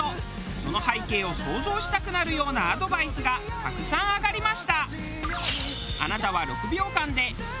その背景を想像したくなるようなアドバイスがたくさん挙がりました。